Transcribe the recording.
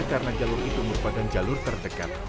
karena jalur itu merupakan jalur terdekat